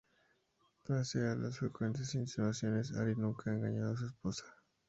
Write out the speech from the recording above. Pese a las frecuentes insinuaciones, Ari nunca ha engañado a su esposa.